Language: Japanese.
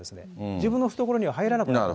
自分の懐には入らなくなる。